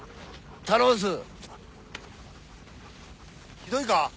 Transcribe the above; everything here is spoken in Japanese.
ひどいか？